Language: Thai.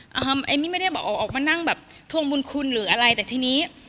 เอมมี่ไม่ได้บอกออกมานั่งแบบทวงบุญคุณหรืออะไรแต่ทีนี้